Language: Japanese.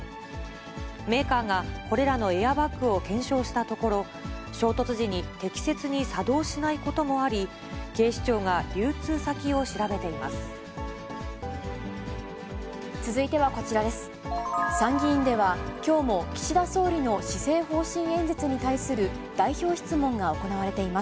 メーカーが、これらのエアバッグを検証したところ、衝突時に適切に作動しないこともあり、続いてはこちらです。